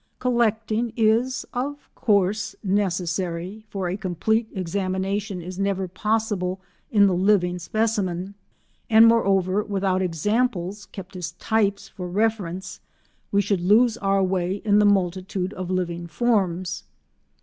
Collecting is of course necessary, for a complete examination is never possible in the living specimen, and moreover without examples kept as types for reference we should lose our way in the multitude of living forms.